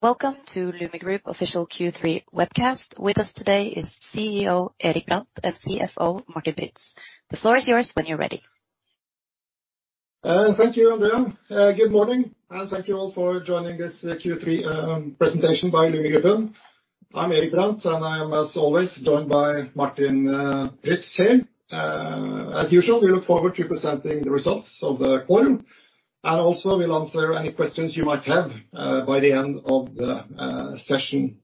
Welcome to Lumi Gruppen official Q3 webcast. With us today is CEO Erik Brandt and CFO Martin Prytz. The floor is yours when you're ready.h Thank you, Andrea. Good morning, and thank you all for joining this Q3 presentation by Lumi Gruppen. I'm Erik Brandt, and I am, as always, joined by Martin Prytz here. As usual, we look forward to presenting the results of the quarter, and also we'll answer any questions you might have by the end of the session.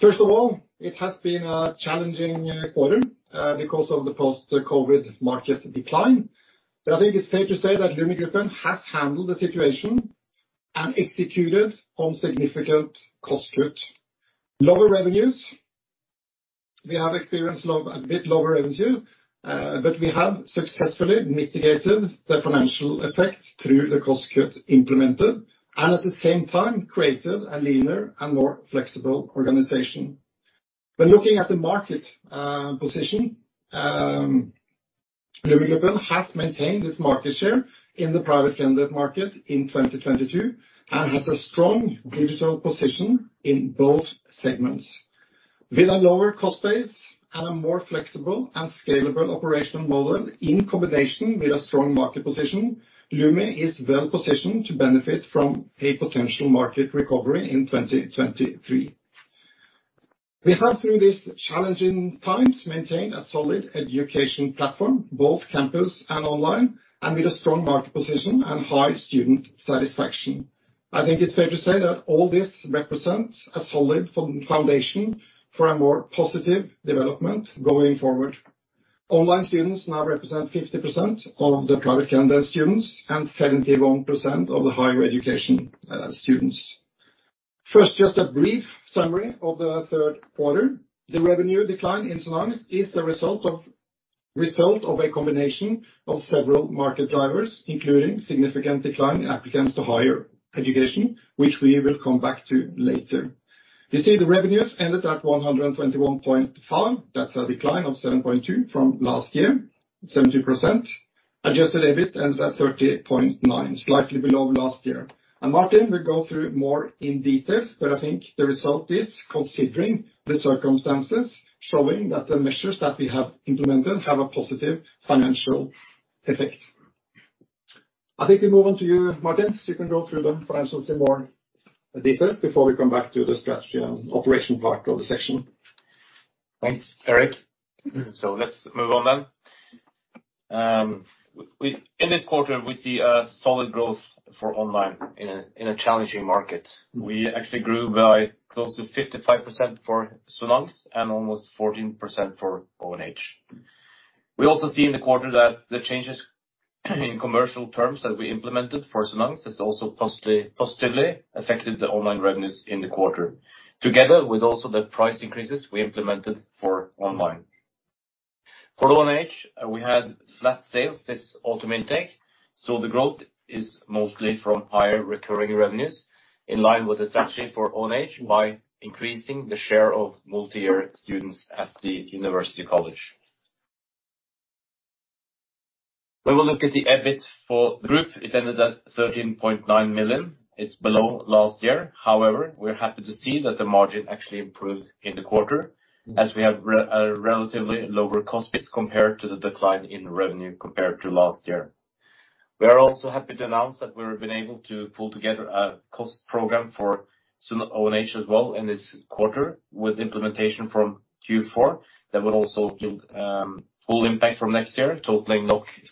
First of all, it has been a challenging quarter because of the post-COVID market decline. I think it's fair to say that Lumi Gruppen has handled the situation and executed on significant cost cuts. Lower revenues. We have experienced a bit lower revenue, but we have successfully mitigated the financial effect through the cost cuts implemented, and at the same time, created a leaner and more flexible organization. When looking at the market position, Lumi Gruppen has maintained its market share in the private candidate market in 2022, and has a strong digital position in both segments. With a lower cost base and a more flexible and scalable operational model in combination with a strong market position, Lumi Gruppen is well positioned to benefit from a potential market recovery in 2023. We have, through these challenging times, maintained a solid education platform, both campus and online, and with a strong market position and high student satisfaction. I think it's fair to say that all this represents a solid foundation for a more positive development going forward. Online students now represent 50% of the private candidate students and 71% of the higher education students. First, just a brief summary of the third quarter. The revenue decline in Sonans is the result of a combination of several market drivers, including significant decline in applicants to higher education, which we will come back to later. You see the revenues ended at 121.5. That's a decline of 7.2 from last year, 7%. Adjusted EBIT ended at 30.9, slightly below last year. Martin will go through more in details, but I think the result is, considering the circumstances, showing that the measures that we have implemented have a positive financial effect. I think we move on to you, Martin, so you can go through the financials in more details before we come back to the strategy and operation part of the session. Thanks, Erik. Let's move on then. In this quarter, we see a solid growth for online in a challenging market. We actually grew by close to 55% for Sonans and almost 14% for ONH. We also see in the quarter that the changes in commercial terms that we implemented for Sonans has also positively affected the online revenues in the quarter, together with also the price increases we implemented for online. For ONH, we had flat sales this autumn intake, so the growth is mostly from higher recurring revenues in line with the strategy for ONH by increasing the share of multi-year students at the university college. When we look at the EBIT for the group, it ended at 13.9 million. It's below last year. However, we're happy to see that the margin actually improved in the quarter, as we have a relatively lower cost base compared to the decline in revenue compared to last year. We are also happy to announce that we have been able to pull together a cost program for ONH as well in this quarter with implementation from Q4 that will also give full impact from next year, totaling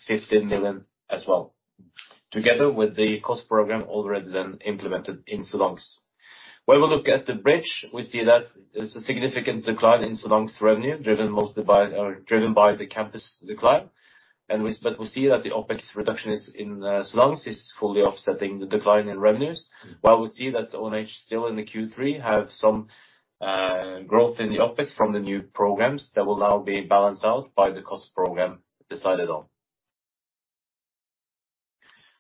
15 million as well, together with the cost program already then implemented in Sonans. When we look at the bridge, we see that there's a significant decline in Sonans revenue, driven mostly by the campus decline. But we see that the OpEx reduction in Sonans is fully offsetting the decline in revenues. While we see that ONH still in the Q3 have some growth in the OpEx from the new programs, that will now be balanced out by the cost program decided on.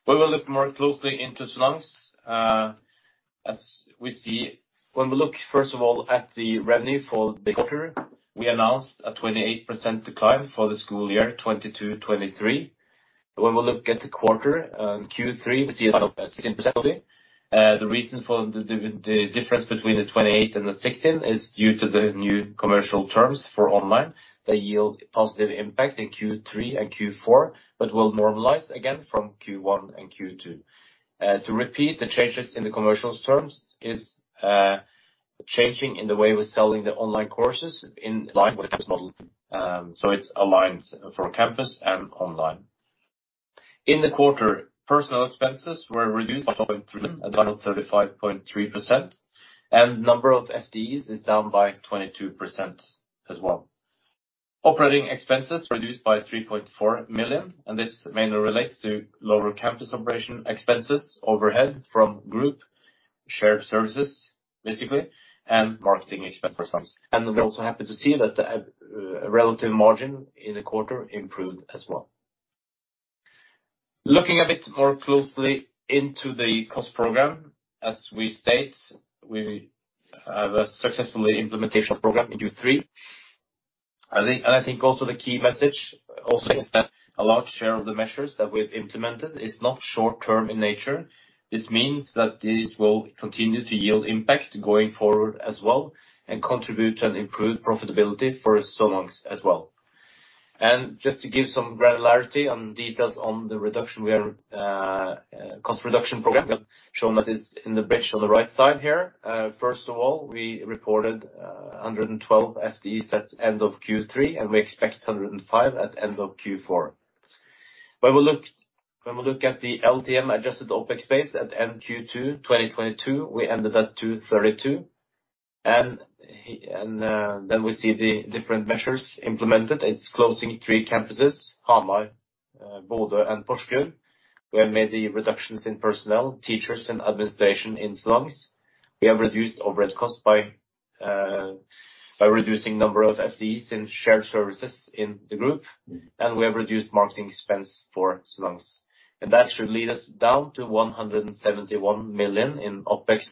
When we look more closely into Sonans, first of all, at the revenue for the quarter, we announced a 28% decline for the school year 2022-2023. When we look at the quarter Q3, we see a decline of 16%. The reason for the difference between the 28 and the 16 is due to the new commercial terms for online. They yield positive impact in Q3 and Q4, but will normalize again from Q1 and Q2. To repeat, the changes in the commercial terms is changing in the way we're selling the online courses in line with the model. It's aligned for campus and online. In the quarter, personnel expenses were reduced by 0.3 million, a decline of 35.3%, and number of FTEs is down by 22% as well. Operating expenses reduced by 3.4 million, and this mainly relates to lower campus operational expenses, overhead from group shared services, basically, and marketing expenses. We're also happy to see that the relative margin in the quarter improved as well. Looking a bit more closely into the cost program, as we state, we have a successful implementation program in Q3. I think the key message is that a large share of the measures that we've implemented is not short-term in nature. This means that these will continue to yield impact going forward as well and contribute to an improved profitability for Sonans as well. Just to give some granularity on details on the reduction cost reduction program shown that is in the bridge on the right side here. First of all, we reported 112 FTEs at end of Q3, and we expect 105 at end of Q4. When we look at the LTM adjusted OpEx base at Q2 2022, we ended at 232. Then we see the different measures implemented. It's closing three campuses, Hamar, Bodø and Porsgrunn, where many reductions in personnel, teachers and administration in Sonans. We have reduced overhead costs by reducing number of FTEs in shared services in the group, and we have reduced marketing expense for Sonans. That should lead us down to 171 million in OpEx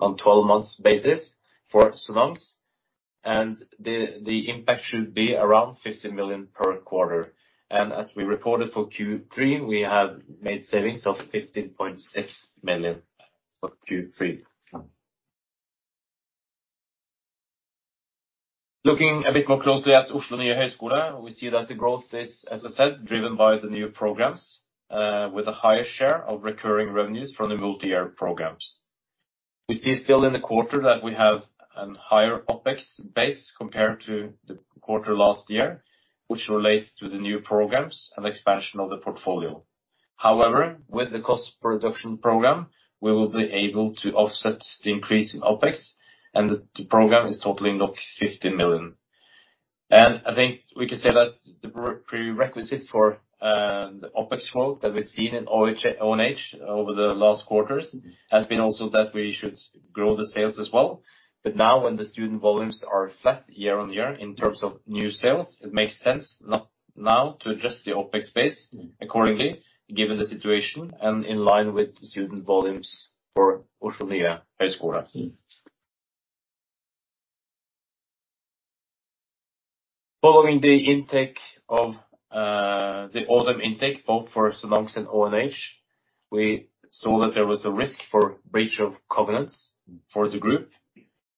on 12 months basis for Sonans. The impact should be around 50 million per quarter. As we reported for Q3, we have made savings of 15.6 million for Q3. Looking a bit more closely at Oslo Nye Høyskole, we see that the growth is, as I said, driven by the new programs with a higher share of recurring revenues from the multi-year programs. We see still in the quarter that we have a higher OpEx base compared to the quarter last year, which relates to the new programs and expansion of the portfolio. However, with the cost reduction program, we will be able to offset the increase in OpEx, and the program is totaling 50 million. I think we can say that the prerequisite for the OpEx flow that we've seen in ONH over the last quarters has been also that we should grow the sales as well. Now when the student volumes are flat year-on-year in terms of new sales, it makes sense now to adjust the OpEx base accordingly, given the situation and in line with the student volumes for Oslo Nye Høyskole. Following the intake of the autumn intake, both for Sonans and ONH, we saw that there was a risk for breach of covenants for the group.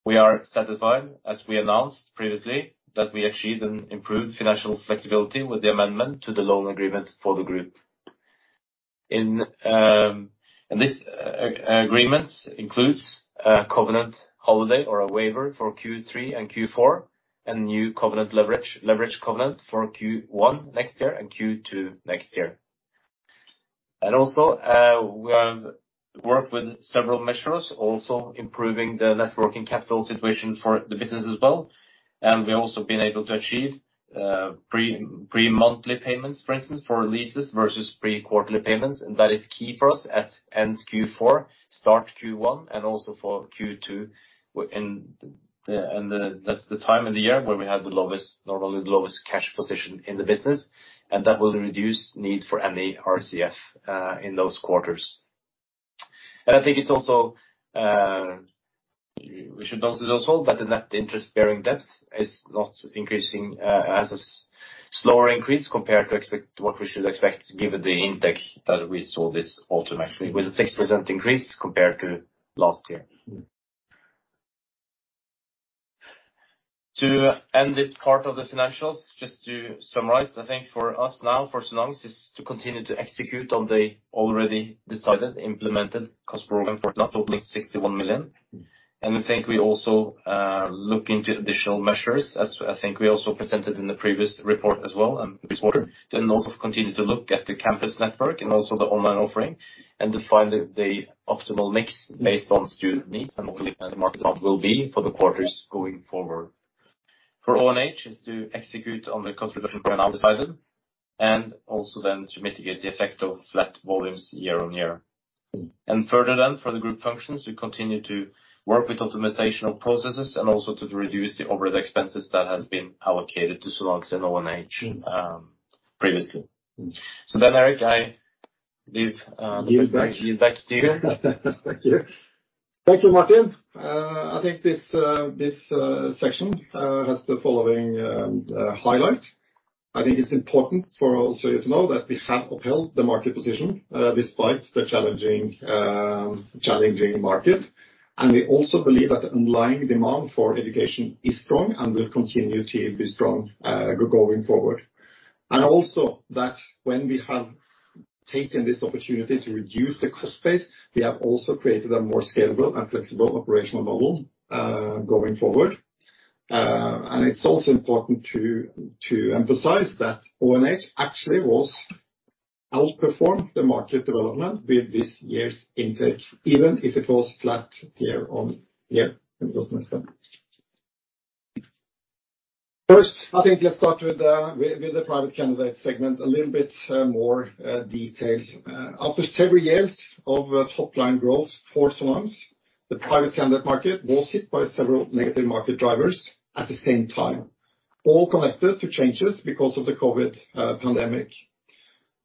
We are satisfied, as we announced previously, that we achieved an improved financial flexibility with the amendment to the loan agreement for the group. This agreement includes a covenant holiday or a waiver for Q3 and Q4, and new leverage covenant for Q1 next year and Q2 next year. We have worked with several measures, also improving the net working capital situation for the business as well. We've also been able to achieve pre-monthly payments, for instance, for leases versus pre-quarterly payments. That is key for us at end Q4, start Q1, and also for Q2. That's the time of the year where we have the lowest cash position in the business, and that will reduce need for any RCF in those quarters. I think it's also, we should also resolve that the net interest-bearing debt is not increasing, as a slower increase compared to what we should expect given the intake that we saw this autumn, actually, with a 6% increase compared to last year. To end this part of the financials, just to summarize, I think for us now, for Sonans, is to continue to execute on the already decided, implemented cost program for us totaling 61 million. I think we also look into additional measures, as I think we also presented in the previous report as well and this quarter. Also continue to look at the campus network and also the online offering and to find the optimal mix based on student needs and hopefully what the market demand will be for the quarters going forward. For ONH is to execute on the cost reduction program now decided, and also then to mitigate the effect of flat volumes year-over-year. Further, for the group functions, we continue to work with optimization processes and also to reduce the overhead expenses that has been allocated to Sonans and ONH, previously. Erik, I give the presentation back to you. Thank you. Thank you, Martin. I think this section has the following highlight. I think it's important for also you to know that we have upheld the market position despite the challenging market. We also believe that the underlying demand for education is strong and will continue to be strong going forward. Also, that when we have taken this opportunity to reduce the cost base, we have also created a more scalable and flexible operational model going forward. It's also important to emphasize that ONH actually outperformed the market development with this year's intake, even if it was flat year-on-year in the first semester. First, I think let's start with the private candidate segment, a little bit more details. After several years of topline growth for Sonans, the private candidate market was hit by several negative market drivers at the same time, all connected to changes because of the COVID pandemic.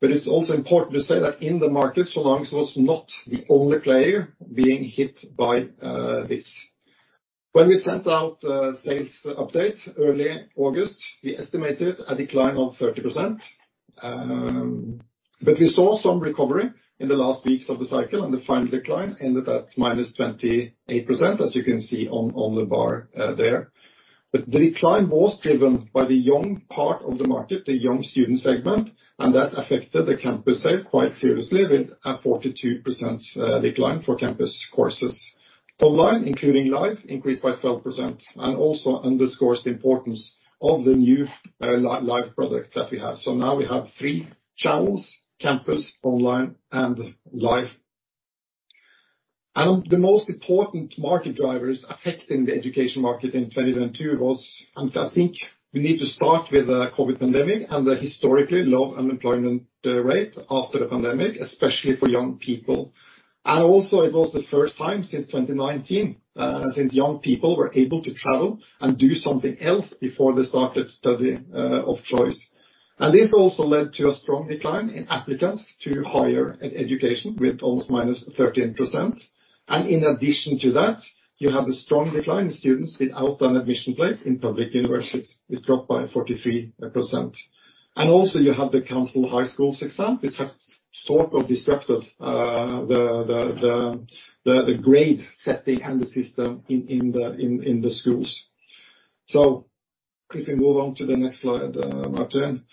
It's also important to say that in the market, Sonans was not the only player being hit by this. When we sent out sales update early August, we estimated a decline of 30%. We saw some recovery in the last weeks of the cycle, and the final decline ended at -28%, as you can see on the bar there. The decline was driven by the young part of the market, the young student segment, and that affected the campus sale quite seriously with a 42% decline for campus courses. Online, including live, increased by 12%, and also underscores the importance of the new Live product that we have. Now we have three channels: campus, online, and live. The most important market drivers affecting the education market in 2022 was. I think we need to start with the COVID pandemic and the historically low unemployment rate after the pandemic, especially for young people. It was the first time since 2019, since young people were able to travel and do something else before they started study of choice. This also led to a strong decline in applicants to higher education with almost -13%. You have a strong decline in students without an admission place in public universities. It dropped by 43%. You have the final high school exam, which has sort of disrupted the grade setting and the system in the schools. If we move on to the next slide, Martin.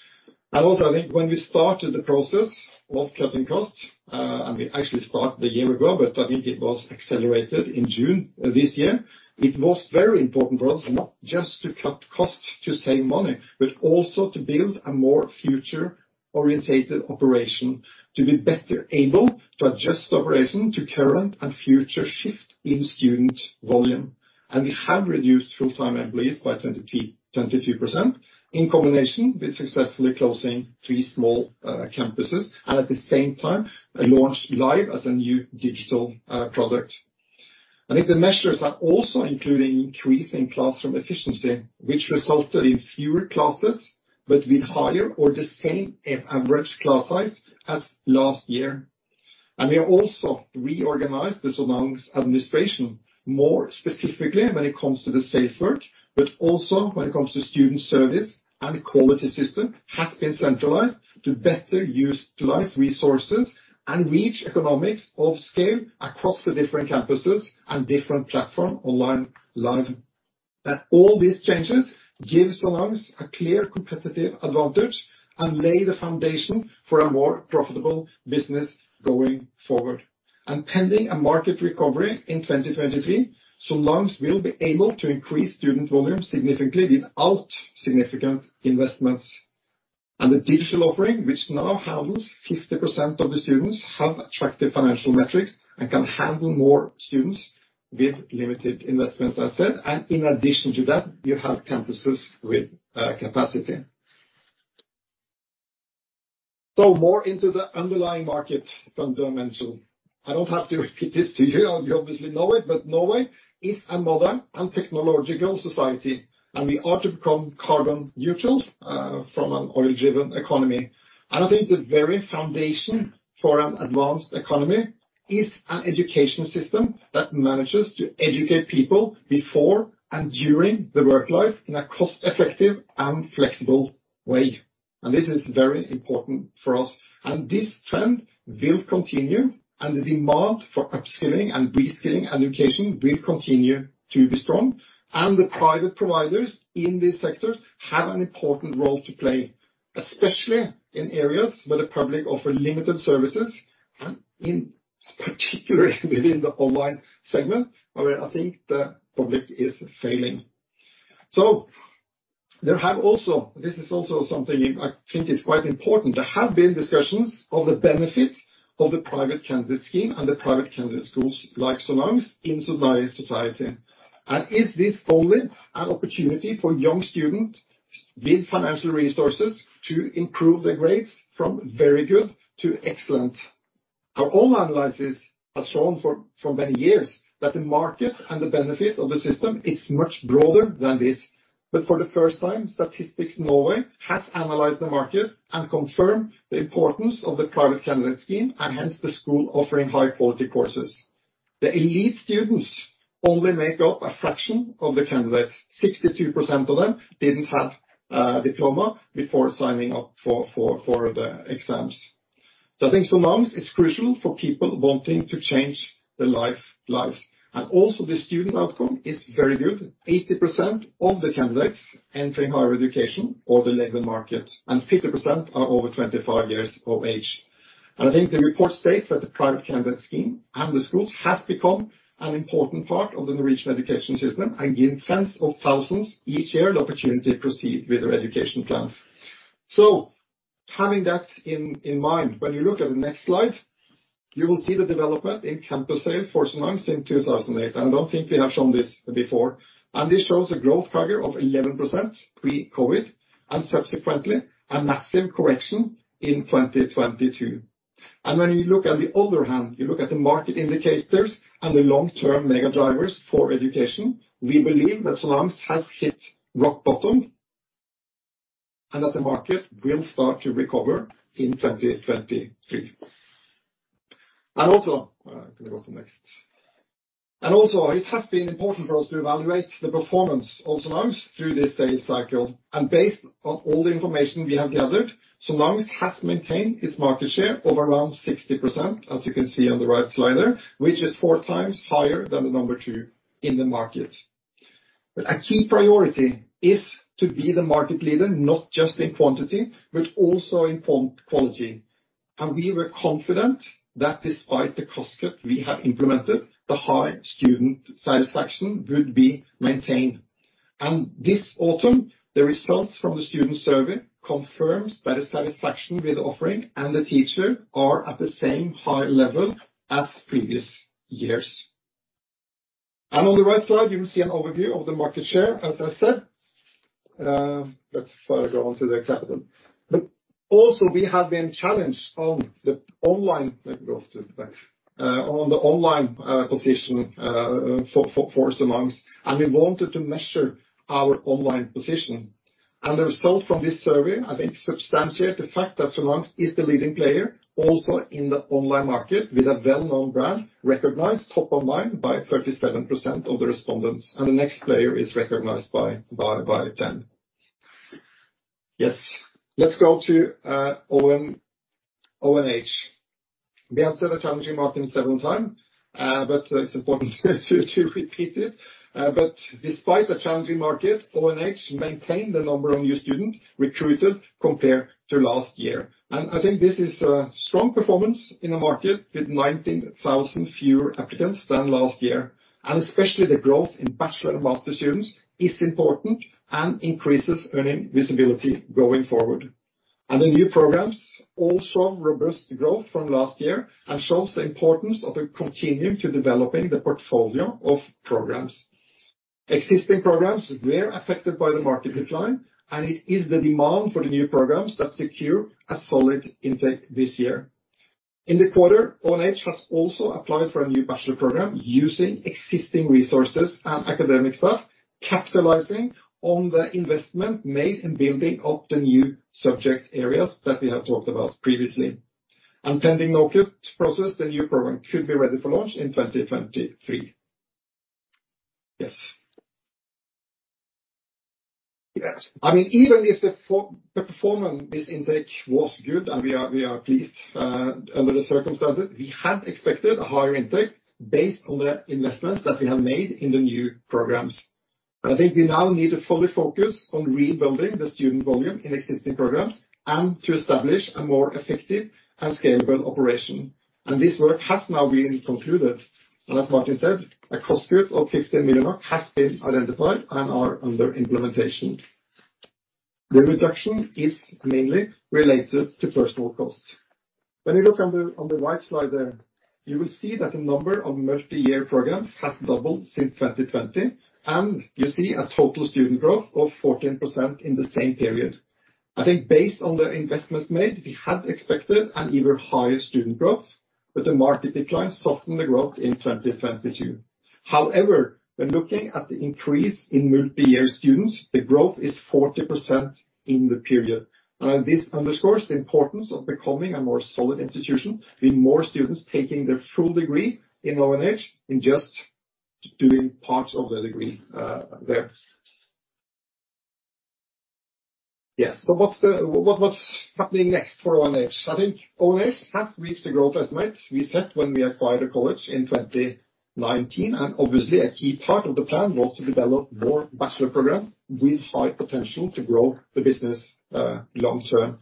I think when we started the process of cutting costs, and we actually started a year ago, but I think it was accelerated in June this year, it was very important for us not just to cut costs to save money, but also to build a more future-oriented operation, to be better able to adjust the operation to current and future shifts in student volume. We have reduced full-time employees by 22% in combination with successfully closing three small campuses, and at the same time, launched Live as a new digital product. I think the measures are also including increasing classroom efficiency, which resulted in fewer classes, but with higher or the same average class size as last year. We have also reorganized the Sonans administration, more specifically when it comes to the sales work, but also when it comes to student service and quality system, has been centralized to better utilize resources and reach economies of scale across the different campuses and different platforms online, Live. That all these changes give Sonans a clear competitive advantage and lay the foundation for a more profitable business going forward. Pending a market recovery in 2023, Sonans will be able to increase student volume significantly without significant investments. The digital offering, which now handles 50% of the students, have attractive financial metrics and can handle more students with limited investments, as I said. In addition to that, you have campuses with capacity. More into the underlying market fundamental. I don't have to repeat this to you obviously know it, but Norway is a modern and technological society, and we ought to become carbon neutral from an oil-driven economy. I think the very foundation for an advanced economy is an education system that manages to educate people before and during their work life in a cost-effective and flexible way. This is very important for us. This trend will continue, and the demand for upskilling and reskilling education will continue to be strong. The private providers in these sectors have an important role to play, especially in areas where the public offer limited services, and in particular within the online segment, where I think the public is failing. There have also This is also something I think is quite important. There have been discussions of the benefit of the private candidate scheme and the private candidate schools like Sonans in society. Is this only an opportunity for young students with financial resources to improve their grades from very good to excellent? Our own analysis has shown for many years that the market and the benefit of the system is much broader than this. But for the first time, Statistics Norway has analyzed the market and confirmed the importance of the private candidate scheme, and hence the school offering high-quality courses. The elite students only make up a fraction of the candidates. 62% of them didn't have a diploma before signing up for the exams. I think Sonans is crucial for people wanting to change their lives. Also the student outcome is very good. 80% of the candidates entering higher education or the labor market, and 50% are over 25 years of age. I think the report states that the private candidate scheme and the schools has become an important part of the Norwegian education system and give tens of thousands each year the opportunity to proceed with their education plans. Having that in mind, when you look at the next slide, you will see the development in campus sales for Sonans since 2008. I don't think we have shown this before. This shows a growth figure of 11% pre-COVID, and subsequently a massive correction in 2022. When you look on the other hand, you look at the market indicators and the long-term mega drivers for education, we believe that Sonans has hit rock bottom and that the market will start to recover in 2023. Can we go to next. It has been important for us to evaluate the performance of Sonans through this sales cycle. Based on all the information we have gathered, Sonans has maintained its market share of around 60%, as you can see on the right slide there, which is four times higher than the number two in the market. A key priority is to be the market leader, not just in quantity, but also in quality. We were confident that despite the cost cut we have implemented, the high student satisfaction would be maintained. This autumn, the results from the student survey confirms that the satisfaction with the offering and the teacher are at the same high level as previous years. On the right slide, you will see an overview of the market share, as I said. Let's go on to the capital. We have been challenged on the online position for Sonans, and we wanted to measure our online position. The result from this survey, I think, substantiate the fact that Sonans is the leading player also in the online market, with a well-known brand recognized top of mind by 37% of the respondents. The next player is recognized by 10. Yes. Let's go to ONH. We have said a challenging market several times, but it's important to repeat it. Despite the challenging market, ONH maintained the number of new students recruited compared to last year. I think this is a strong performance in a market with 19,000 fewer applicants than last year. Especially the growth in bachelor and master students is important and increases earnings visibility going forward. The new programs also showed robust growth from last year and shows the importance of a commitment to developing the portfolio of programs. Existing programs were affected by the market decline, and it is the demand for the new programs that secures a solid intake this year. In the quarter, ONH has also applied for a new bachelor program using existing resources and academic staff, capitalizing on the investment made in building up the new subject areas that we have talked about previously. Pending NOKUT process, the new program should be ready for launch in 2023. Yes. Yes. I mean, even if the Q4 performance, this intake was good and we are pleased under the circumstances, we had expected a higher intake based on the investments that we have made in the new programs. I think we now need to fully focus on rebuilding the student volume in existing programs and to establish a more effective and scalable operation. This work has now been concluded. As Martin said, a cost cut of 15 million has been identified and are under implementation. The reduction is mainly related to personnel costs. When you look on the right slide there, you will see that the number of multi-year programs has doubled since 2020, and you see a total student growth of 14% in the same period. I think based on the investments made, we had expected an even higher student growth, but the market decline softened the growth in 2022. However, when looking at the increase in multi-year students, the growth is 40% in the period. This underscores the importance of becoming a more solid institution with more students taking their full degree in ONH instead of just doing parts of their degree there. Yes. What's happening next for ONH? I think ONH has reached the growth estimate we set when we acquired a college in 2019, and obviously a key part of the plan was to develop more bachelor program with high potential to grow the business long term.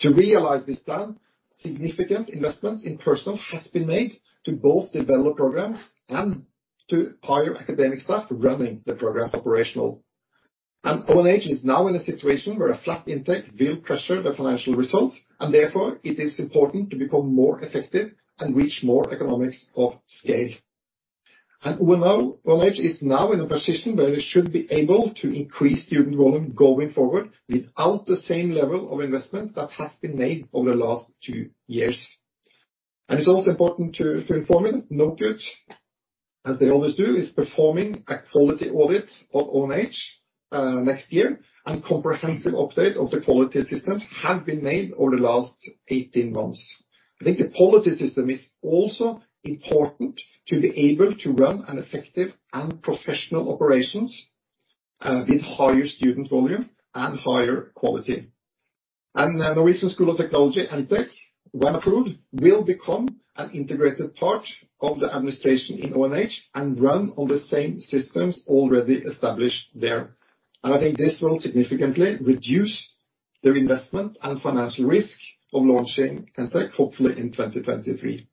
To realize this plan, significant investments in personnel has been made to both develop programs and to hire academic staff running the programs operational. ONH is now in a situation where a flat intake will pressure the financial results, and therefore it is important to become more effective and reach more economies of scale. ONH is now in a position where it should be able to increase student volume going forward without the same level of investments that has been made over the last two years. It's also important to inform you NOKUT, as they always do, is performing a quality audit of ONH next year, and comprehensive update of the quality systems have been made over the last 18 months. I think the quality system is also important to be able to run an effective and professional operations with higher student volume and higher quality. The Norwegian School of Technology, NTech, when approved, will become an integrated part of the administration in ONH and run on the same systems already established there. I think this will significantly reduce their investment and financial risk of launching NTech, hopefully in 2023.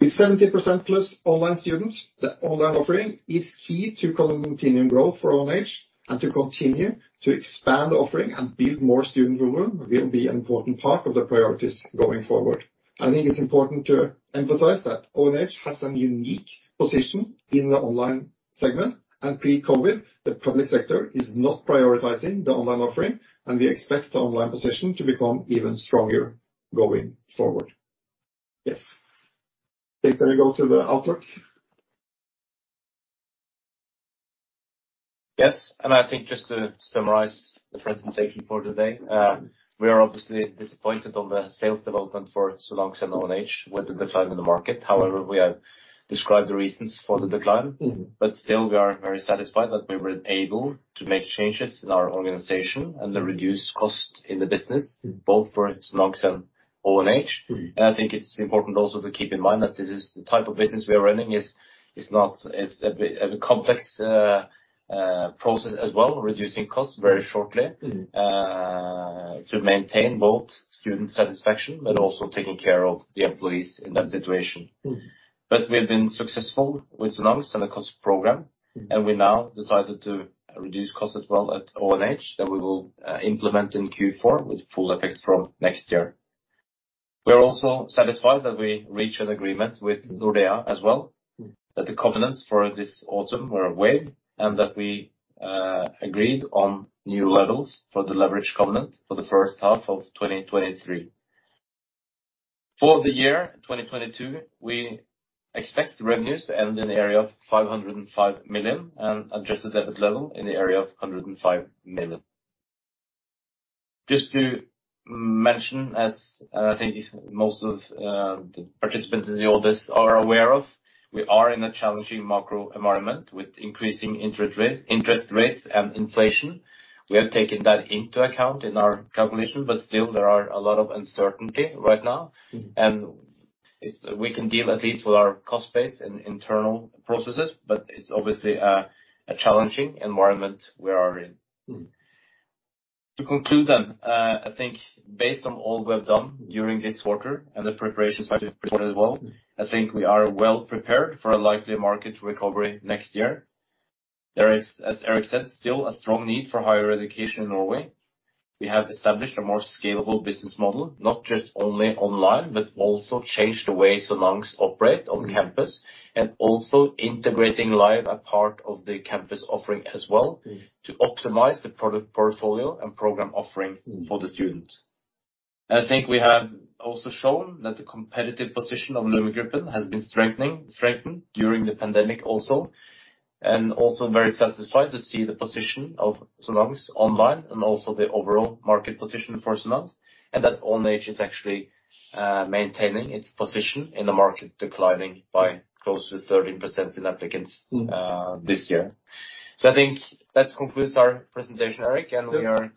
With 70%+ online students, the online offering is key to continuing growth for ONH and to continue to expand the offering and build more student volume will be an important part of the priorities going forward. I think it's important to emphasize that ONH has a unique position in the online segment, and pre-COVID, the public sector is not prioritizing the online offering, and we expect the online position to become even stronger going forward. Yes. Please can you go to the outlook? Yes. I think just to summarize the presentation for today, we are obviously disappointed in the sales development for Sonans and ONH with the decline in the market. However, we have described the reasons for the decline. Still we are very satisfied that we were able to make changes in our organization and to reduce cost in the business, both for Sonans and ONH. I think it's important also to keep in mind that this is the type of business we are running is not a complex process as well, reducing costs very shortly, to maintain both student satisfaction but also taking care of the employees in that situation. We've been successful with Sonans and the cost program, and we now decided to reduce costs as well at ONH that we will implement in Q4 with full effect from next year. We are also satisfied that we reached an agreement with Nordea as well, that the covenants for this autumn were waived, and that we agreed on new levels for the leverage covenant for the first half of 2023. For the year 2022, we expect the revenues to end in the area of 505 million and adjusted EBIT level in the area of 105 million. Just to mention, as I think most of the participants in the audience are aware of, we are in a challenging macro environment with increasing interest rates and inflation. We have taken that into account in our calculation, but still there are a lot of uncertainty right now. We can deal at least with our cost base and internal processes, but it's obviously a challenging environment we are in. To conclude, I think based on all we have done during this quarter and the preparations for the quarter as well, I think we are well prepared for a likely market recovery next year. There is, as Erik said, still a strong need for higher education in Norway. We have established a more scalable business model, not just only online, but also changed the way Sonans operate on campus and also integrating Live as a part of the campus offering as well to optimize the product portfolio and program offering for the students. I think we have also shown that the competitive position of Lumi Gruppen has been strengthened during the pandemic also, and also very satisfied to see the position of Sonans online and also the overall market position for Sonans, and that ONH is actually maintaining its position in the market, declining by close to 13% in applicants this year. I think that concludes our presentation, Erik. Yeah. We are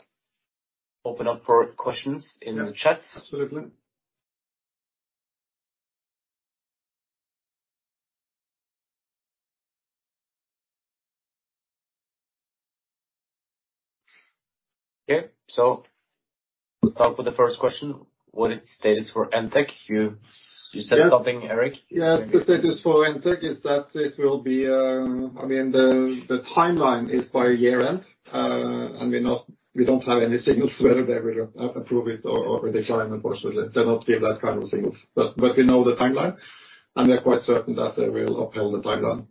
open up for questions in the chat. Absolutely. Okay. We'll start with the first question. What is the status for NTech? You said something, Erik. Yes. The status for NTech is that the timeline is by year-end. We don't have any signals whether they will approve it or decline, unfortunately. They don't give that kind of signals. We know the timeline, and we are quite certain that they will uphold the timeline.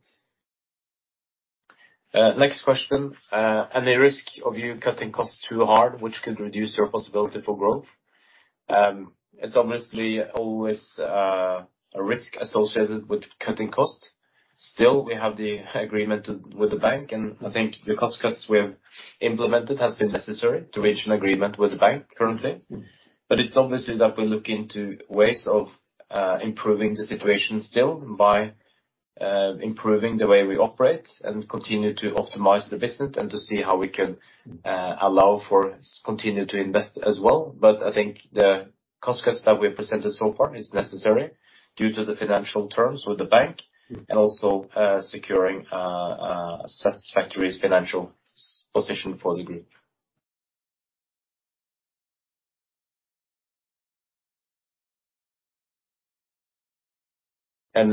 Next question. Any risk of you cutting costs too hard, which could reduce your possibility for growth? It's obviously always a risk associated with cutting costs. Still, we have the agreement with the bank, and I think the cost cuts we have implemented has been necessary to reach an agreement with the bank currently. But it's obviously that we look into ways of improving the situation still by improving the way we operate and continue to optimize the business and to see how we can allow for continue to invest as well. But I think the cost cuts that we've presented so far is necessary due to the financial terms with the bank and also securing a satisfactory financial position for the group. I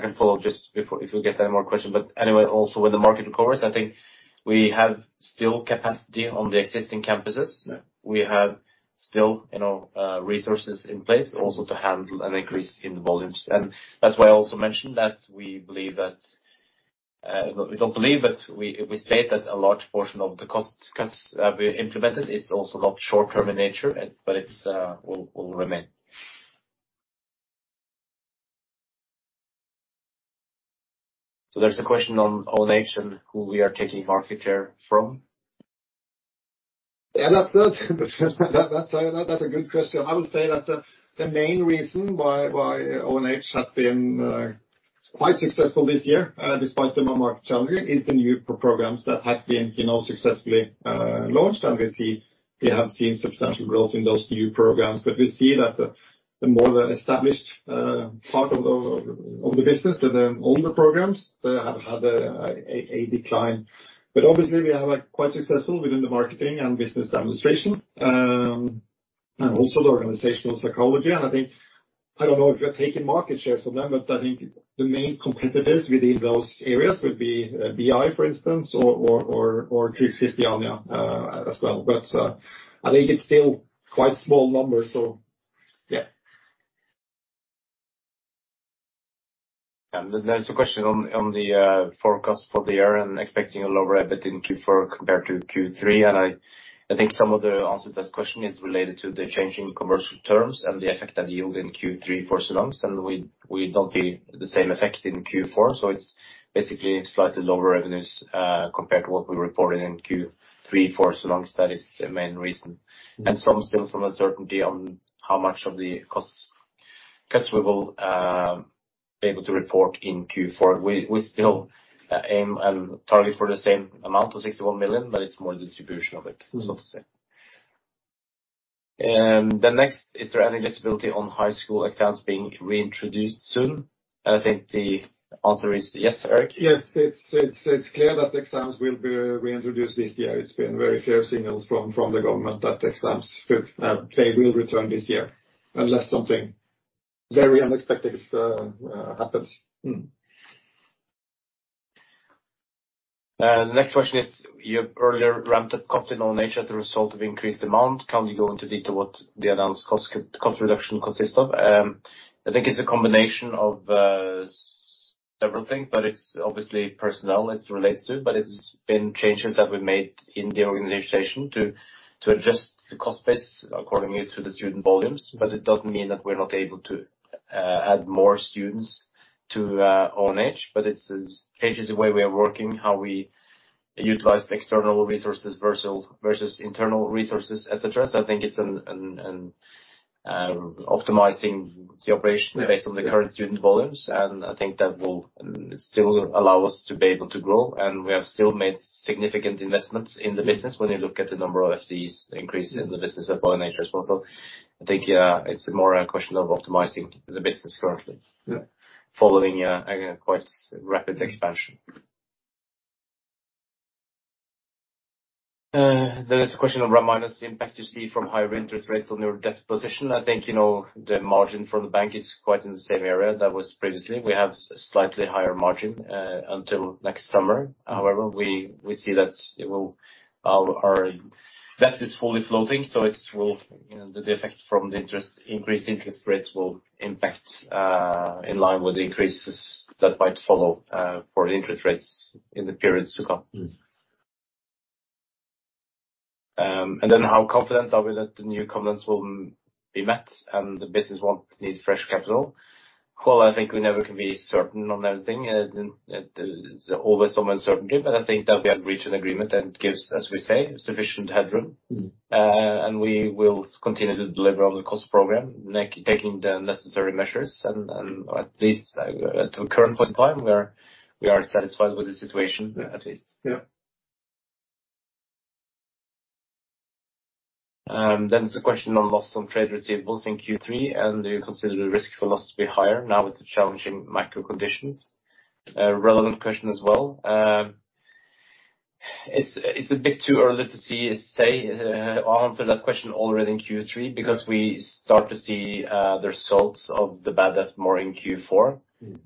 can follow if we get any more question. Anyway, also when the market recovers, I think we have still capacity on the existing campuses. Yeah. We have still, you know, resources in place also to handle an increase in the volumes. That's why I also mentioned that we don't believe, but we state that a large portion of the cost cuts that we implemented is also not short-term in nature, but it will remain. There's a question on ONH, who we are taking market share from. Yeah. That's a good question. I would say that the main reason why ONH has been quite successful this year despite the market challenges is the new programs that have been successfully launched. We have seen substantial growth in those new programs. We see that the more established part of the business, the older programs, they have had a decline. Obviously, we are like quite successful within the marketing and business administration and also the organizational psychology. I think. I don't know if we are taking market share from them, but I think the main competitors within those areas would be BI, for instance, or Kristiania as well. I think it's still quite small numbers, so yeah. There's a question on the forecast for the year and expecting a lower EBIT in Q4 compared to Q3. I think some of the answer to that question is related to the change in commercial terms and the effect that yield in Q3 for Sonans, and we don't see the same effect in Q4. It's basically slightly lower revenues compared to what we reported in Q3 for Sonans. That is the main reason. Still some uncertainty on how much of the costs we will be able to report in Q4. We still aim and target for the same amount of 61 million, but it's more the distribution of it, so to say. Is there any visibility on high school exams being reintroduced soon? I think the answer is yes. Erik? Yes. It's clear that exams will be reintroduced this year. It's been very clear signals from the government that exams they will return this year unless something very unexpected happens. The next question is, you earlier ramped up capacity on NTech as a result of increased demand. Can you go into detail what the announced cost reduction consists of? I think it's a combination of several things, but it's obviously personnel it relates to. It's been changes that we made in the organization to adjust the cost base according to the student volumes. It doesn't mean that we're not able to add more students to ONH, but it's changes the way we are working, how we utilize external resources versus internal resources, et cetera. I think it's an optimizing the operation based on the current student volumes, and I think that will still allow us to be able to grow. We have still made significant investments in the business when you look at the number of FTEs increases in the business of our nature as well. I think, it's more a question of optimizing the business currently. Yeah. Following a quite rapid expansion. There is a question around on the impact you see from higher interest rates on your debt position. I think, you know, the margin from the bank is quite in the same area that was previously. We have a slightly higher margin until next summer. However, we see that it will. Our debt is fully floating, so it will. You know, the effect from the increased interest rates will impact in line with the increases that might follow for interest rates in the periods to come. And then how confident are we that the new covenants will be met and the business won't need fresh capital? Well, I think we never can be certain on everything. There's always some uncertainty, but I think that we have reached an agreement and gives, as we say, sufficient headroom. We will continue to deliver on the cost program, taking the necessary measures and at least to the current point in time. We are satisfied with the situation, at least. Yeah. There's a question on loss on trade receivables in Q3, and do you consider the risk for loss to be higher now with the challenging macro conditions? A relevant question as well. It's a bit too early to answer that question already in Q3, because we start to see the results of the bad debt more in Q4.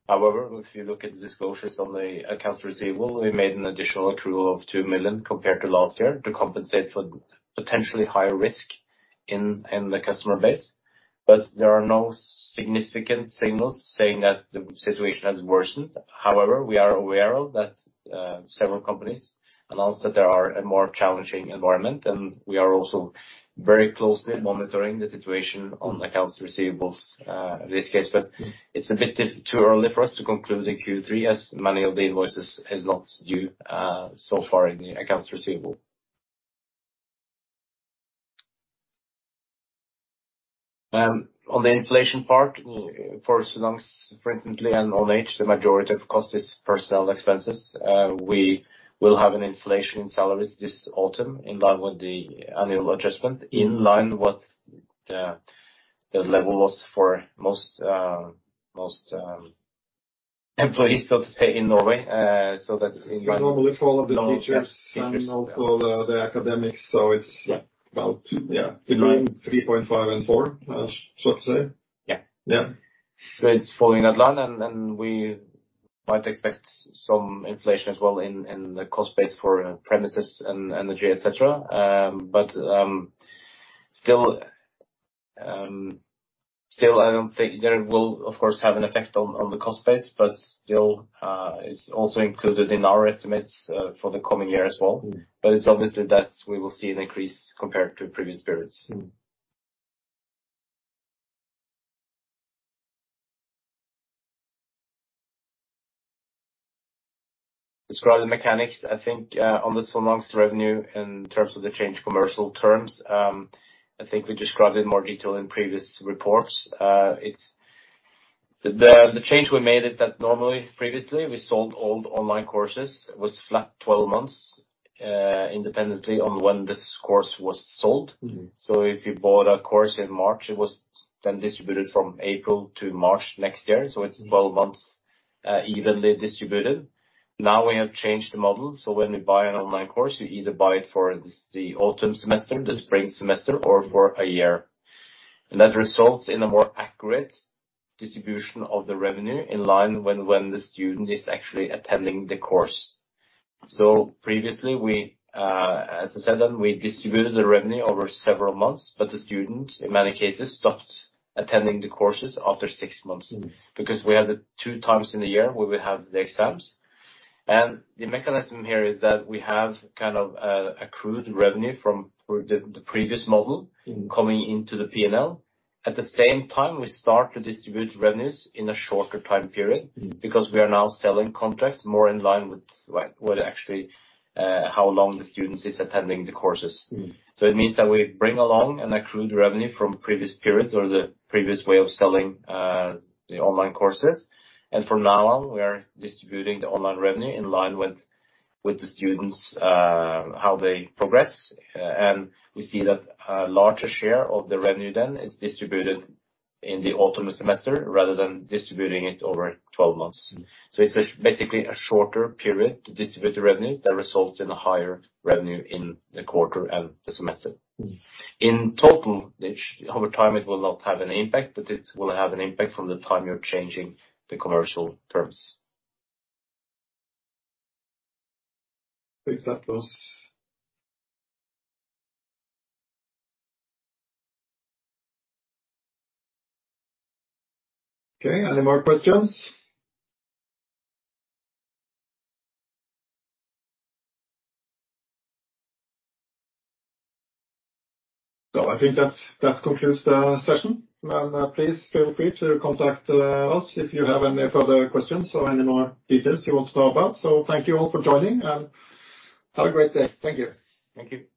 However, if you look at the disclosures on the accounts receivable, we made an additional accrual of 2 million compared to last year to compensate for potentially higher risk in the customer base. But there are no significant signals saying that the situation has worsened. However, we are aware of that several companies announced that there are a more challenging environment, and we are also very closely monitoring the situation on accounts receivable in this case. It's a bit too early for us to conclude in Q3, as many of the invoices is not due so far in the accounts receivable. On the inflation part, for Sonans, for instance, and ONH, the majority of cost is personnel expenses. We will have an inflation in salaries this autumn in line with the annual adjustment, in line with what the level was for most employees, so to say, in Norway. That's in line. Normally, for all of the teachers- Yeah. -also the academics. It's- Yeah. -about, yeah, between 3.5 and 4, so to say. Yeah. Yeah. It's falling in line and we might expect some inflation as well in the cost base for premises and energy, et cetera. There will of course have an effect on the cost base, but still, it's also included in our estimates for the coming year as well. It's obvious that we will see an increase compared to previous periods. Describe the mechanics, I think, on the Sonans revenue in terms of the change in commercial terms. I think we described in more detail in previous reports. It's the change we made is that normally, previously we sold all the online courses. It was flat 12 months, independently of when this course was sold. Mm-hmm. If you bought a course in March, it was then distributed from April to March next year. It's 12 months evenly distributed. Now we have changed the model, so when you buy an online course, you either buy it for the autumn semester, the spring semester, or for a year. That results in a more accurate distribution of the revenue in line when the student is actually attending the course. Previously we, as I said, we distributed the revenue over several months, but the student, in many cases, stopped attending the courses after six months. Because we have the two times in the year where we have the exams. The mechanism here is that we have kind of accrued revenue from the previous model coming into the P&L. At the same time, we start to distribute revenues in a shorter time period because we are now selling contracts more in line with what actually how long the students is attending the courses. Mm-hmm. It means that we bring along an accrued revenue from previous periods or the previous way of selling the online courses. From now on, we are distributing the online revenue in line with how the students progress. We see that a larger share of the revenue then is distributed in the autumn semester rather than distributing it over 12 months. It's basically a shorter period to distribute the revenue that results in a higher revenue in the quarter and the semester. In total over time, it will not have an impact, but it will have an impact from the time you're changing the commercial terms. Okay. Any more questions? No, I think that concludes the session. Please feel free to contact us if you have any further questions or any more details you want to know about. Thank you all for joining and have a great day. Thank you. Thank you.